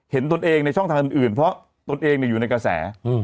ตนเองในช่องทางอื่นเพราะตนเองอยู่ในกระแส